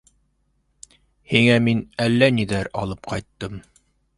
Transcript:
Һиңә мин әллә ниҙәр алып ҡайттым.